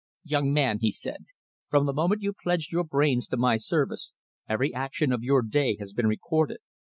"Young man," he said, "from the moment you pledged your brains to my service, every action of your day has been recorded.